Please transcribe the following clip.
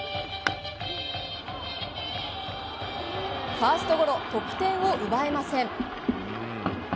ファーストゴロ得点を奪えません。